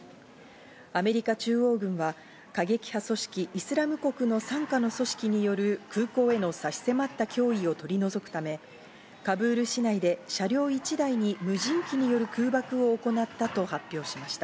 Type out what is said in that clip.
アメリカ中央軍は過激派組織「イスラム国」の傘下の組織による空港への差し迫った脅威を取り除くため、カブール市内で車両１台に無人機による空爆を行ったと発表しました。